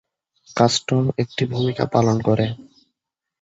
Custom একটি ভূমিকা পালন করে।